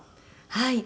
はい。